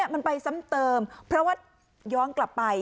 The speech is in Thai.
มันไปซ้ำเติมเพราะว่าย้อนกลับไป